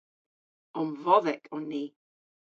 Omvodhek on ni.